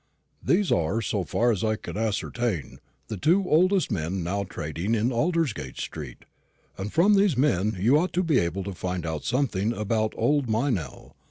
These are, so far as I can ascertain, the two oldest men now trading in Aldersgate street; and from these men you ought to be able to find out something about old Meynell.